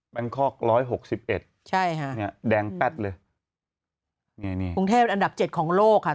งคอกร้อยหกสิบเอ็ดใช่ค่ะเนี้ยแดงแป๊ดเลยนี่นี่กรุงเทพอันดับเจ็ดของโลกค่ะ